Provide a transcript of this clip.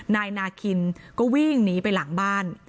นายนาคินก็วิ่งหนีไปหลังบ้าน